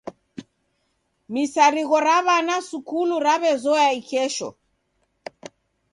Misarigho ra w'ana sukulu raw'ezoya ikesho.